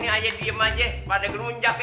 ayo diem aja pada gunung jaknya